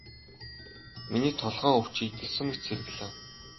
Миний толгойн өвчин эдгэрсэн мэт сэргэлэн.